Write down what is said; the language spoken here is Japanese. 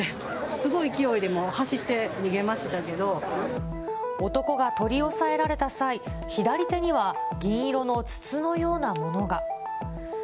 すごい勢いでもう、走って逃げま男が取り押さえられた際、左手には銀色の筒のようなものが。